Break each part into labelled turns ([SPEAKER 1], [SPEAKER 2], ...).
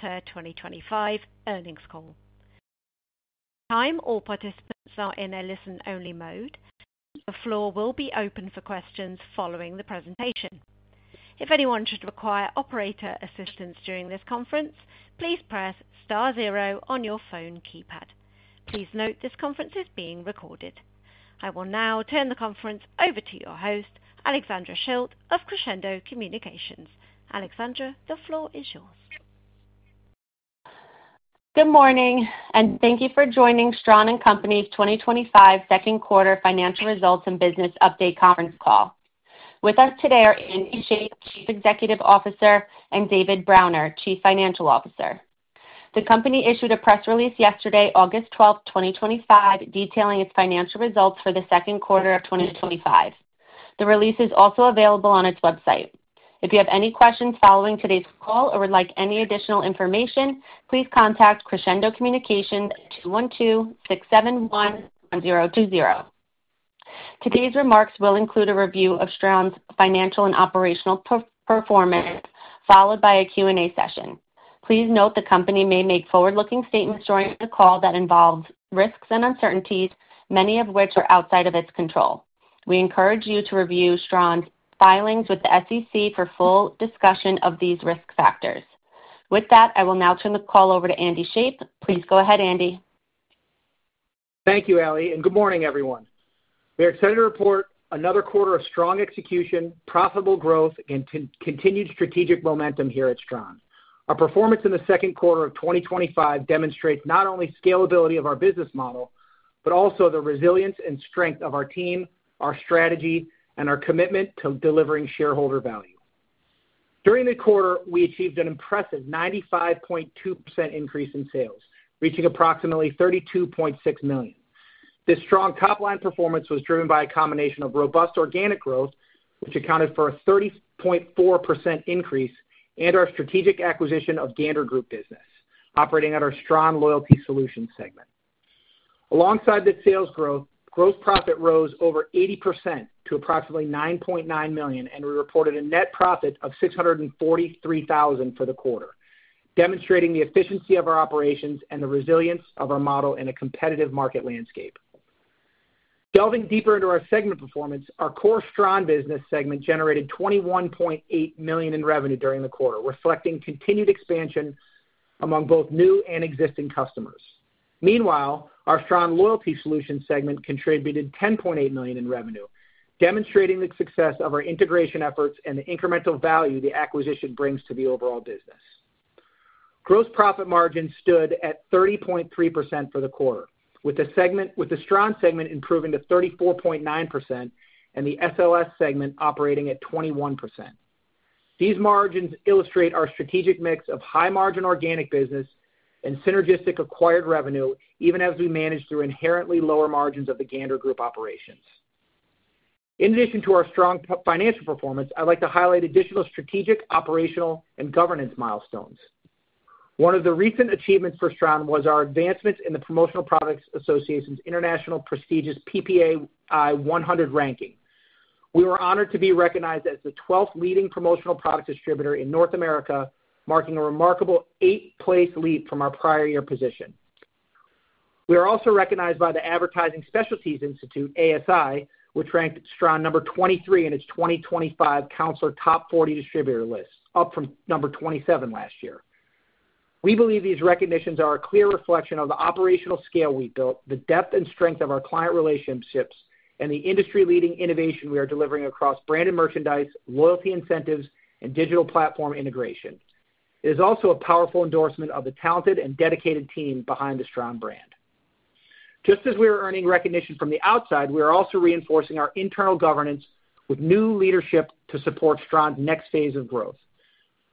[SPEAKER 1] Third 2025 Earnings Call. All participants are in a listen-only mode. The floor will be open for questions following the presentation. If anyone should require operator assistance during this conference, please press Star, zero on your phone keypad. Please note this conference is being recorded. I will now turn the conference over to your host, Alexandra Schilt of Crescendo Communications. Alexandra, the floor is yours.
[SPEAKER 2] Good morning and thank you for joining Stran & Company's 2025 Second Quarter Financial Results and Business Update Conference call. With us today are Andy Shape, Chief Executive Officer, and David Browner, Chief Financial Officer. The company issued a press release yesterday, August 12th, 2025, detailing its financial results for the second quarter of 2025. The release is also available on its website. If you have any questions following today's call or would like any additional information, please contact Crescendo Communications at 212-671-1020. Today's remarks will include a review of Stran & Company's financial and operational performance, followed by a Q&A session. Please note the company may make forward-looking statements during the call that involve risks and uncertainties, many of which are outside of its control. We encourage you to review Stran's filings with the SEC for full discussion of these risk factors. With that, I will now turn the call over to Andy Shape. Please go ahead, Andy.
[SPEAKER 3] Thank you, Allie, and good morning, everyone. We are excited to report another quarter of strong execution, profitable growth, and continued strategic momentum here at Stran. Our performance in the second quarter of 2025 demonstrates not only the scalability of our business model, but also the resilience and strength of our team, our strategy, and our commitment to delivering shareholder value. During the quarter, we achieved an impressive 95.2% increase in sales, reaching approximately $32.6 million. This strong top-line performance was driven by a combination of robust organic growth, which accounted for a 30.4% increase, and our strategic acquisition of Gander Group, operating at our Stran Loyalty Solutions segment. Alongside the sales growth, gross profit rose over 80% to approximately $9.9 million, and we reported a net profit of $643,000 for the quarter, demonstrating the efficiency of our operations and the resilience of our model in a competitive market landscape. Delving deeper into our segment performance, our core Stran business segment generated $21.8 million in revenue during the quarter, reflecting continued expansion among both new and existing customers. Meanwhile, our Stran Loyalty Solutions segment contributed $10.8 million in revenue, demonstrating the success of our integration efforts and the incremental value the acquisition brings to the overall business. Gross margin stood at 30.3% for the quarter, with the Stran segment improving to 34.9% and the SLS segment operating at 21%. These margins illustrate our strategic mix of high margin organic business and synergistic acquired revenue, even as we manage through inherently lower margins of the Gander Group operations. In addition to our strong financial performance, I'd like to highlight additional strategic, operational, and governance milestones. One of the recent achievements for Stran was our advancements in the Promotional Products Association International prestigious PPAI 100 ranking. We were honored to be recognized as the 12th leading promotional products distributor in North America, marking a remarkable eight-place leap from our prior year position. We are also recognized by the Advertising Specialties Institute, ASI, which ranked Stran number 23 in its 2025 Counselor Top 40 Distributor list, up from number 27 last year. We believe these recognitions are a clear reflection of the operational scale we've built, the depth and strength of our client relationships, and the industry-leading innovation we are delivering across brand and merchandise, loyalty incentives, and digital platform integration. It is also a powerful endorsement of the talented and dedicated team behind the Stran brand. Just as we are earning recognition from the outside, we are also reinforcing our internal governance with new leadership to support Stran's next phase of growth.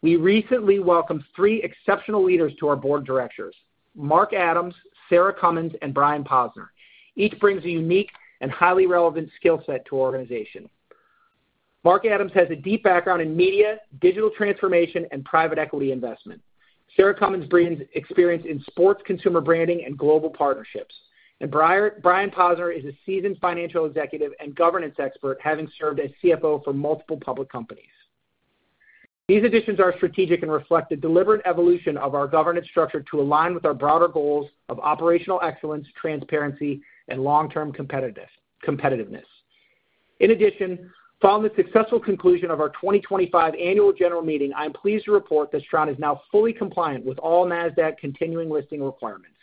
[SPEAKER 3] We recently welcomed three exceptional leaders to our Board of Directors: Mark Adams, Sarah Cummins, and Brian Posner. Each brings a unique and highly relevant skill set to our organization. Mark Adams has a deep background in media, digital transformation, and private equity investment. Sarah Cummins brings experience in sports consumer branding and global partnerships. Brian Posner is a seasoned financial executive and governance expert, having served as CFO for multiple public companies. These additions are strategic and reflect the deliberate evolution of our governance structure to align with our broader goals of operational excellence, transparency, and long-term competitiveness. In addition, following the successful conclusion of our 2025 Annual General Meeting, I am pleased to report that Stran is now fully compliant with all NASDAQ continuing listing requirements.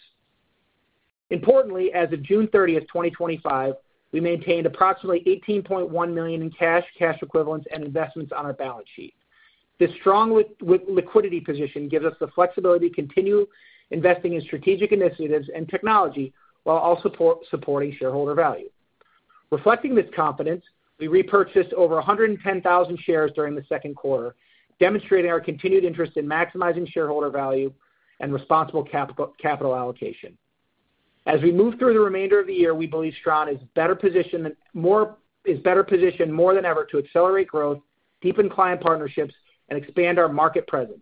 [SPEAKER 3] Importantly, as of June 30th, 2025, we maintained approximately $18.1 million in cash, cash equivalents, and investments on our balance sheet. This strong liquidity position gives us the flexibility to continue investing in strategic initiatives and technology while also supporting shareholder value. Reflecting this confidence, we repurchased over $110,000 shares during the second quarter, demonstrating our continued interest in maximizing shareholder value and responsible capital allocation. As we move through the remainder of the year, we believe Stran is better positioned more than ever to accelerate growth, deepen client partnerships, and expand our market presence.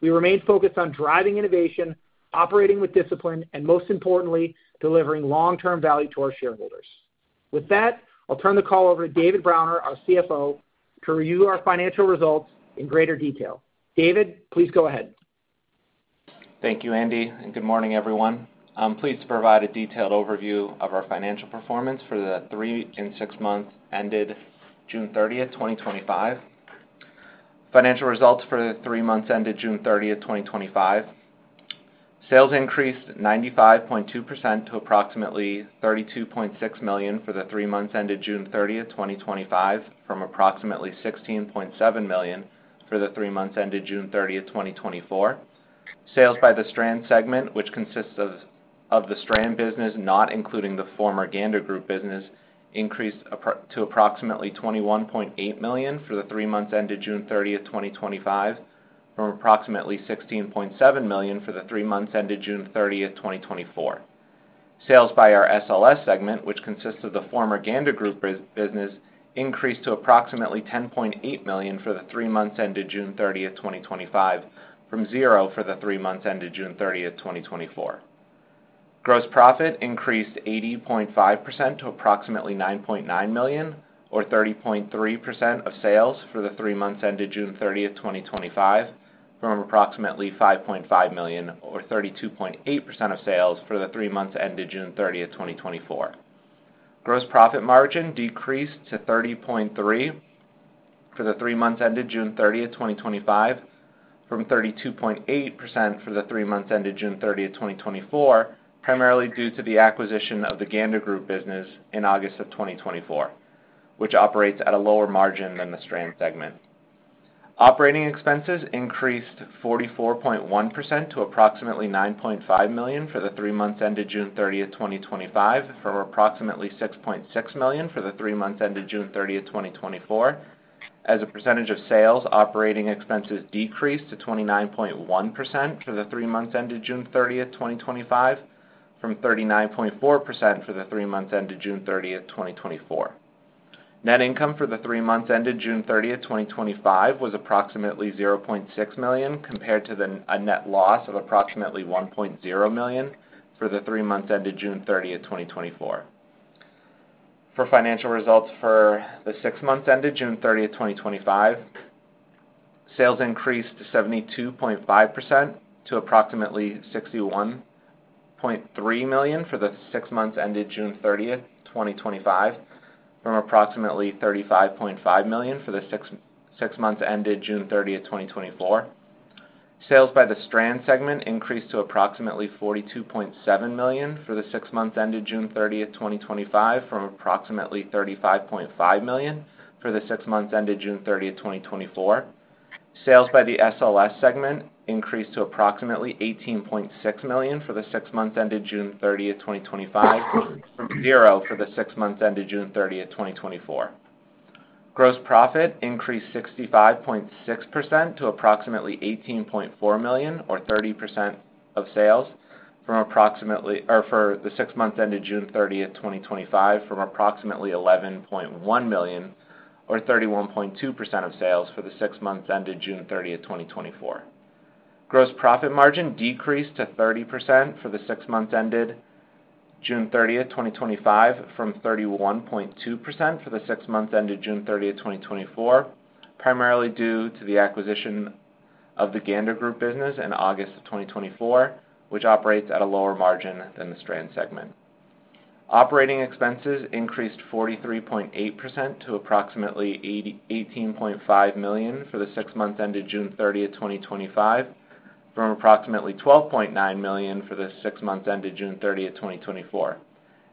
[SPEAKER 3] We remain focused on driving innovation, operating with discipline, and most importantly, delivering long-term value to our shareholders. With that, I'll turn the call over to David Browner, our CFO, to review our financial results in greater detail. David, please go ahead.
[SPEAKER 4] Thank you, Andy, and good morning, everyone. I'm pleased to provide a detailed overview of our financial performance for the three and six months ended June 30th, 2025. Financial results for the three months ended June 30th, 2025: Sales increased 95.2% to approximately $32.6 million for the three months ended June 30th, 2025, from approximately $16.7 million for the three months ended June 30th, 2024. Sales by the Stran segment, which consists of the Stran business not including the former Gander Group business, increased to approximately $21.8 million for the three months ended June 30th, 2025, from approximately $16.7 million for the three months ended June 30th, 2024. Sales by our SLS segment, which consists of the former Gander Group business, increased to approximately $10.8 million for the three months ended June 30th, 2025, from $0 for the three months ended June 30th, 2024. Gross profit increased 80.5% to approximately $9.9 million, or 30.3% of sales for the three months ended June 30th, 2025, from approximately $5.5 million, or 32.8% of sales for the three months ended June 30th, 2024. Gross profit margin decreased to 30.3% for the three months ended June 30th, 2025, from 32.8% for the three months ended June 30th, 2024, primarily due to the acquisition of the Gander Group business in August of 2024, which operates at a lower margin than the Stran segment. Operating expenses increased 44.1% to approximately $9.5 million for the three months ended June 30th, 2025, from approximately $6.6 million for the three months ended June 30th, 2024. As a percentage of sales, operating expenses decreased to 29.1% for the three months ended June 30th, 2025, from 39.4% for the three months ended June 30th, 2024. Net income for the three months ended June 30th, 2025 was approximately $0.6 million compared to a net loss of approximately $1.0 million for the three months ended June 30th, 2024. For financial results for the six months ended June 30th, 2025, sales increased 72.5% to approximately $61.3 million for the six months ended June 30th, 2025, from approximately $35.5 million for the six months ended June 30th, 2024. Sales by the Stran segment increased to approximately $42.7 million for the six months ended June 30th, 2025, from approximately $35.5 million for the six months ended June 30th, 2024. Sales by the SLS segment increased to approximately $18.6 million for the six months ended June 30th, 2025, from $0 for the six months ended June 30th, 2024. Gross profit increased 65.6% to approximately $18.4 million, or 30% of sales, for the six months ended June 30th, 2025, from approximately $11.1 million, or 31.2% of sales, for the six months ended June 30,th 2024. Gross profit margin decreased to 30% for the six months ended June 30th, 2025, from 31.2% for the six months ended June 30th, 2024, primarily due to the acquisition of the Gander Group business in August 2024, which operates at a lower margin than the Stran segment. Operating expenses increased 43.8% to approximately $18.5 million for the six months ended June 30th, 2025, from approximately $12.9 million for the six months ended June 30th, 2024.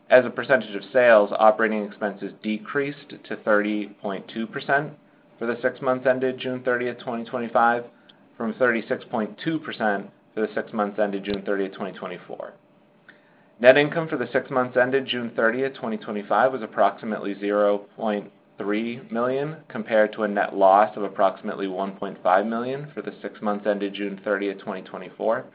[SPEAKER 4] As a percentage of sales, operating expenses decreased to 30.2% for the six months ended June 30th, 2025, from 36.2% for the six months ended June 30, 2024. Net income for the six months ended June 30th, 2025, was approximately $0.3 million compared to a net loss of approximately $1.5 million for the six months ended June 30th, 2024.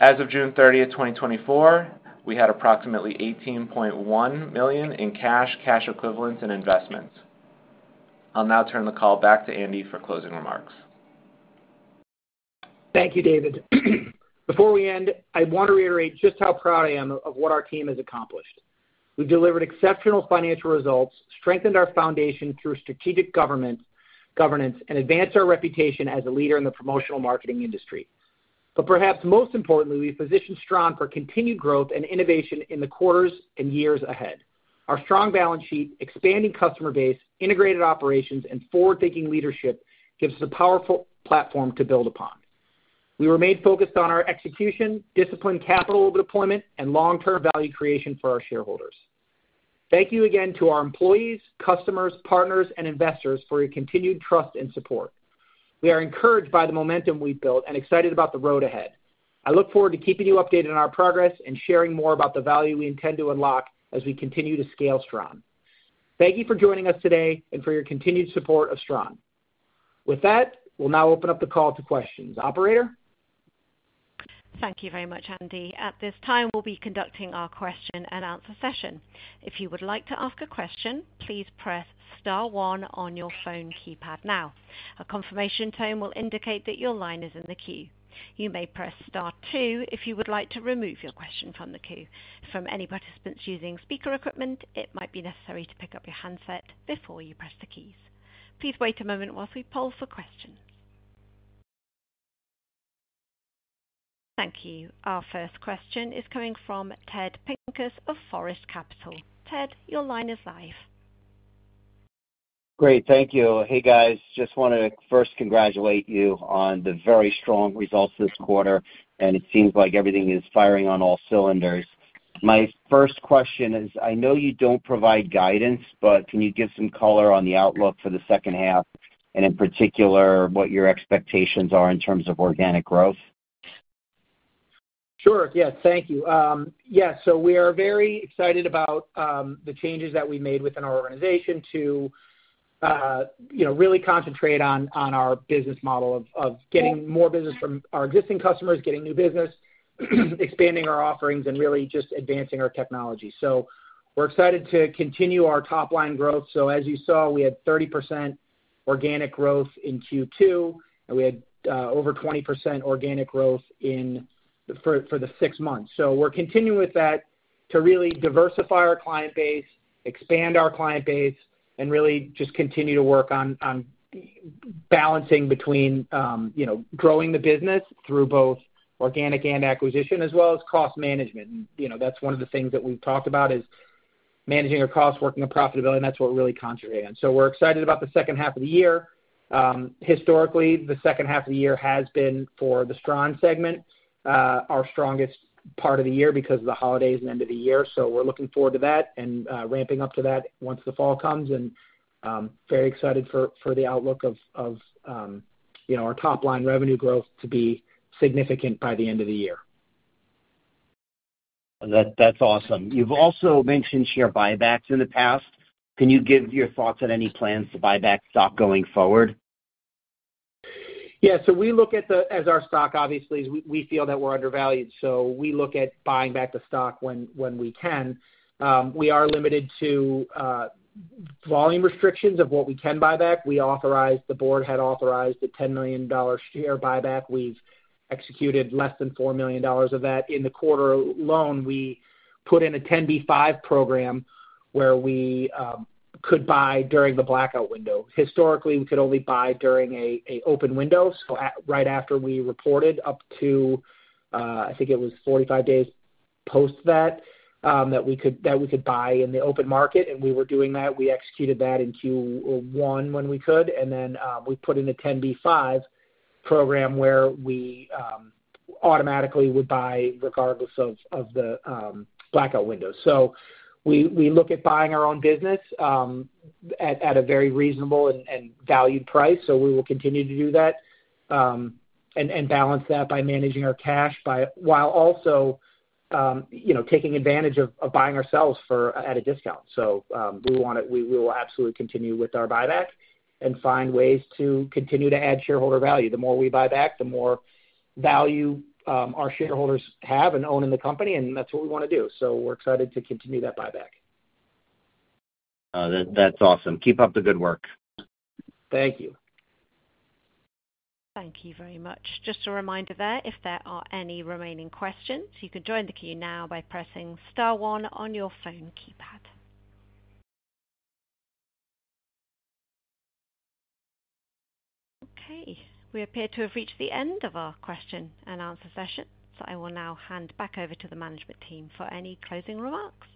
[SPEAKER 4] As of June 30th, 2024, we had approximately $18.1 million in cash, cash equivalents, and investments. I'll now turn the call back to Andy for closing remarks.
[SPEAKER 3] Thank you, David. Before we end, I want to reiterate just how proud I am of what our team has accomplished. We delivered exceptional financial results, strengthened our foundation through strategic governance, and advanced our reputation as a leader in the promotional marketing industry. Perhaps most importantly, we positioned Stran for continued growth and innovation in the quarters and years ahead. Our strong balance sheet, expanding customer base, integrated operations, and forward-thinking leadership give us a powerful platform to build upon. We remain focused on our execution, disciplined capital deployment, and long-term value creation for our shareholders. Thank you again to our employees, customers, partners, and investors for your continued trust and support. We are encouraged by the momentum we've built and excited about the road ahead. I look forward to keeping you updated on our progress and sharing more about the value we intend to unlock as we continue to scale Stran. Thank you for joining us today and for your continued support of Stran. With that, we'll now open up the call to questions. Operator?
[SPEAKER 1] Thank you very much, Andy. At this time, we'll be conducting our question and answer session. If you would like to ask a question, please press Star, one on your phone keypad now. A confirmation tone will indicate that your line is in the queue. You may press Star, two if you would like to remove your question from the queue. For any participants using speaker equipment, it might be necessary to pick up your handset before you press the keys. Please wait a moment while we poll for questions. Thank you. Our first question is coming from Ted Pincus of Forest Capsule. Ted, your line is live.
[SPEAKER 5] Great, thank you. Hey guys, just wanted to first congratulate you on the very strong results this quarter, and it seems like everything is firing on all cylinders. My first question is, I know you don't provide guidance, but can you give some color on the outlook for the second half, and in particular, what your expectations are in terms of organic growth?
[SPEAKER 3] Sure, yeah, thank you. Yeah, we are very excited about the changes that we made within our organization to really concentrate on our business model of getting more business from our existing customers, getting new business, expanding our offerings, and really just advancing our technology. We're excited to continue our top-line growth. As you saw, we had 30% organic growth in Q2, and we had over 20% organic growth for the six months. We're continuing with that to really diversify our client base, expand our client base, and really just continue to work on balancing between growing the business through both organic and acquisition, as well as cost management. One of the things that we've talked about is managing our costs, working on profitability, and that's what we're really concentrating on. We're excited about the second half of the year. Historically, the second half of the year has been, for the Stran segment, our strongest part of the year because of the holidays and end of the year. We're looking forward to that and ramping up to that once the fall comes. Very excited for the outlook of our top-line revenue growth to be significant by the end of the year.
[SPEAKER 5] That's awesome. You've also mentioned share repurchases in the past. Can you give your thoughts on any plans to buy back stock going forward?
[SPEAKER 3] Yeah, so we look at the, as our stock obviously is, we feel that we're undervalued. We look at buying back the stock when we can. We are limited to volume restrictions of what we can buy back. We authorized, the board had authorized a $10 million share buyback. We've executed less than $4 million of that. In the quarter alone, we put in a 10B5 program where we could buy during the blackout window. Historically, we could only buy during an open window, so right after we reported up to, I think it was 45 days post that, that we could buy in the open market. We were doing that. We executed that in Q1 when we could. We put in a 10B5 program where we automatically would buy regardless of the blackout windows. We look at buying our own business at a very reasonable and valued price. We will continue to do that, and balance that by managing our cash while also, you know, taking advantage of buying ourselves at a discount. We want to, we will absolutely continue with our buyback and find ways to continue to add shareholder value. The more we buy back, the more value our shareholders have and own in the company, and that's what we want to do. We're excited to continue that buyback.
[SPEAKER 5] That's awesome. Keep up the good work.
[SPEAKER 3] Thank you.
[SPEAKER 1] Thank you very much. Just a reminder, if there are any remaining questions, you can join the queue now by pressing Star, one on your phone keypad. We appear to have reached the end of our question and answer session. I will now hand back over to the management team for any closing remarks.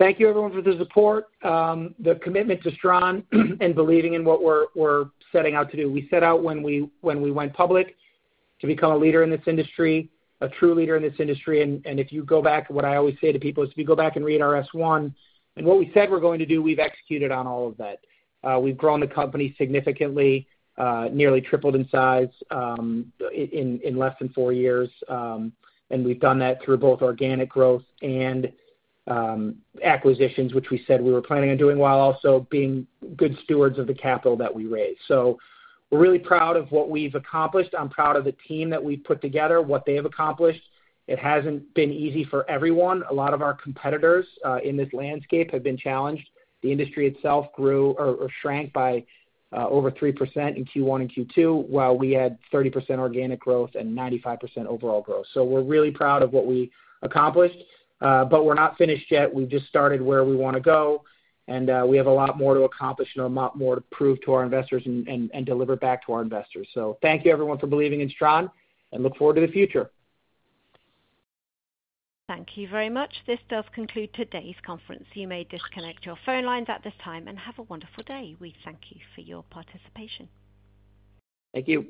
[SPEAKER 3] Thank you, everyone, for the support, the commitment to Stran and believing in what we're setting out to do. We set out when we went public to become a leader in this industry, a true leader in this industry. If you go back, what I always say to people is if you go back and read our S1 and what we said we're going to do, we've executed on all of that. We've grown the company significantly, nearly tripled in size in less than four years. We've done that through both organic growth and acquisitions, which we said we were planning on doing while also being good stewards of the capital that we raised. We're really proud of what we've accomplished. I'm proud of the team that we've put together, what they have accomplished. It hasn't been easy for everyone. A lot of our competitors in this landscape have been challenged. The industry itself grew or shrank by over 3% in Q1 and Q2, while we had 30% organic growth and 95% overall growth. We're really proud of what we accomplished, but we're not finished yet. We've just started where we want to go, and we have a lot more to accomplish and a lot more to prove to our investors and deliver back to our investors. Thank you, everyone, for believing in Stran, and look forward to the future.
[SPEAKER 1] Thank you very much. This does conclude today's conference. You may disconnect your phone lines at this time and have a wonderful day. We thank you for your participation.
[SPEAKER 3] Thank you.